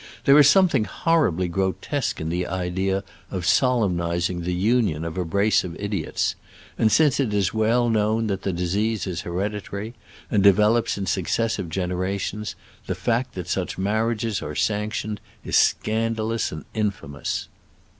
There is some thing horribly grotesque in the idea of solemnizing^^ union of a brace of idiots ; and since it is well known that the dis ease is hereditary, and develops in suc cessive generations, the fact that such marriages are sanctioned is scandalous and infamous.